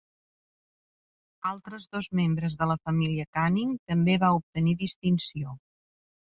Altres dos membres de la família Canning també va obtenir distinció.